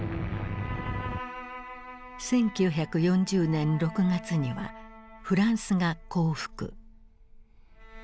１９４０年６月にはフランスが降伏。